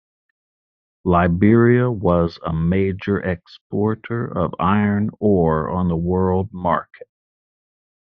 Liberia was a major exporter of iron ore on the world market.